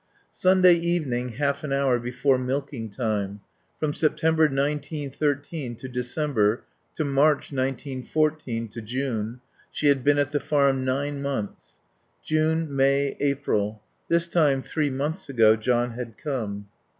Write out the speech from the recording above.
Sunday evening half an hour before milking time. From September nineteen thirteen to December to March nineteen fourteen, to June she had been at the farm nine months. June May April. This time three months ago John had come.